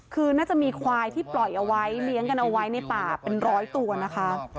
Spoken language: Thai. คือน่าจะมีควายที่ปล่อยเอาไว้เลี้ยงกันเอาไว้ในป่าเป็นร้อยตัวนะคะ